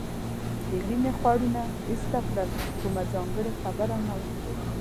د وینې خورونه ایسته کړل، کومه ځانګړې خبره نه وه.